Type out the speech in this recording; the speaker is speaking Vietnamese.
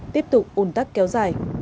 tiếp tục ủn tắc kéo dài